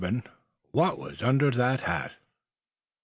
WHAT WAS UNDER THE HAT.